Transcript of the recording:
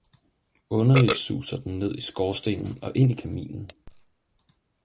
Underligt suser den ned i Skorstenen og ind i Kaminen.